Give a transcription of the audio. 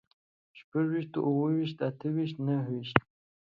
شپږ ويشتو، اووه ويشتو، اته ويشتو، نهه ويشتو